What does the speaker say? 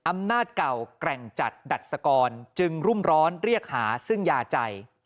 อำนาจเก่าแกร่งจัดดัชกรจึงรุ่มร้อนเรียกหาซึ่งยาใจ